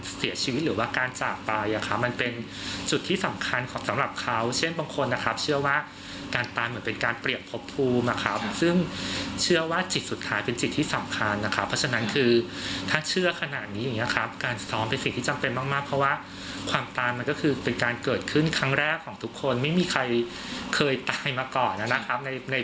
ซึ่งครั้งแรกของทุกคนไม่มีใครเคยตายมาก่อนนะครับ